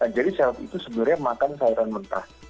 jadi salad itu sebenarnya makan sayuran mentah